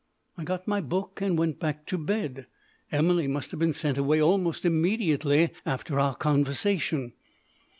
I got my book and went back to bed. Emily must have been sent away almost immediately after our conversation.